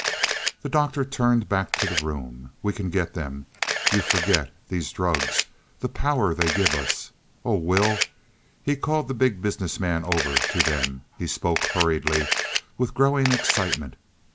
The Doctor turned back to the room. "We can get them. You forget these drugs the power they give us. Oh, Will." He called the Big Business Man over to them; he spoke hurriedly, with growing excitement.